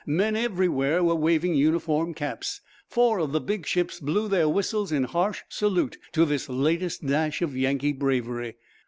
Men, everywhere, were waving uniform caps. Four of the big ships blew their whistles in harsh salute to this latest dash of Yankee bravery.